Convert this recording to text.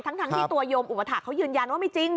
ทั้งที่ตัวโยมอุปถาคเขายืนยันว่าไม่จริง